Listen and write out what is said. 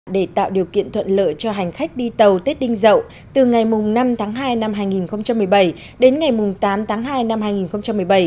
để tạo điều kiện thuận lợi cho hành khách đi tàu tết đinh dậu từ ngày năm tháng hai năm hai nghìn một mươi bảy đến ngày tám tháng hai năm hai nghìn một mươi bảy